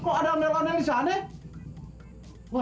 kok ada melanalisaan ya